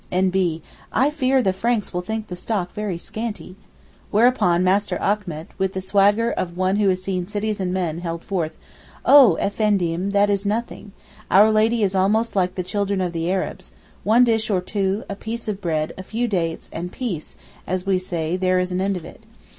(N.B. I fear the Franks will think the stock very scanty.) Whereupon master Achmet, with the swagger of one who has seen cities and men, held forth. 'Oh Effendim, that is nothing; Our Lady is almost like the children of the Arabs. One dish or two, a piece of bread, a few dates, and Peace, (as we say, there is an end of it).